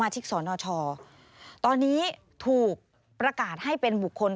ตอนนี้ถูกระกาศให้เป็นบุคคล